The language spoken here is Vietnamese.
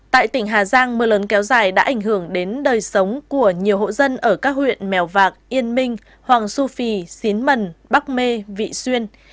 tại tỉnh hà giang mưa lớn kéo dài đã ảnh hưởng đến đời sống của nhiều hộ dân ở các huyện mèo vạc yên minh hoàng su phi xín mần bắc mê vị xuyên